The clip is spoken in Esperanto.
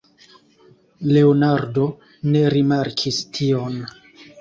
Leonardo ne rimarkis tion.